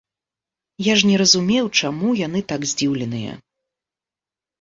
Я ж не разумеў, чаму яны так здзіўленыя.